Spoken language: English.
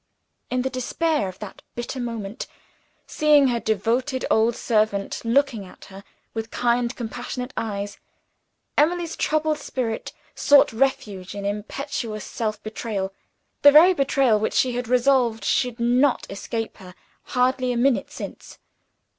In the despair of that bitter moment seeing her devoted old servant looking at her with kind compassionate eyes Emily's troubled spirit sought refuge in impetuous self betrayal; the very betrayal which she had resolved should not escape her, hardly a minute since!